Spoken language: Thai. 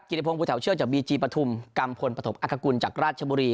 กิริพงษ์ผู้แถวเชื่อจากบีจีปฐุมกรรมพลประถมอักษกุลจากราชบุรี